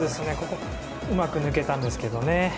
ここ、うまく抜けたんですけどね。